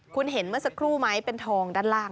คุณเห็นเมื่อสักครู่ไหมเป็นทองด้านล่าง